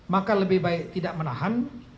maka lebih baik tidak menahan